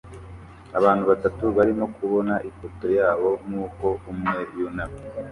Abantu batatu barimo kubona ifoto yabo nkuko umwe yunamye